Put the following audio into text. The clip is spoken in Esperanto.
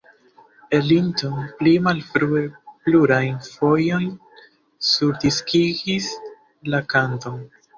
Ellington pli malfrue plurajn fojojn surdiskigis la kanton.